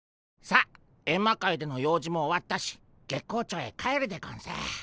さっエンマ界での用事も終わったし月光町へ帰るでゴンス。